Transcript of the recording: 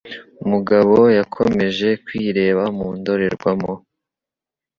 Mugabo yakomeje kwireba mu ndorerwamo.